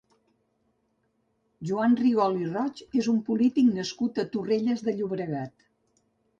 Joan Rigol i Roig és un polític nascut a Torrelles de Llobregat.